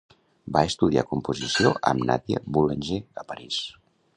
Va estudiar composició amb Nadia Boulanger a París.